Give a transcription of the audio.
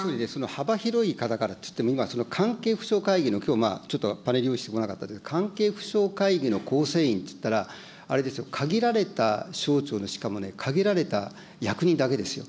幅広い方からといっても、今その、関係府省会議の、きょうちょっとパネル用意してこなかったですが、関係府省会議の構成員っていったらあれですよ、限られた省庁の、しかもね、限られた役人だけですよ。